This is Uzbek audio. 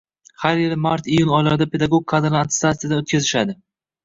Har yili mart-iyun oylarida pedagog kadrlarni attestatsiyadan oʻtkazishadi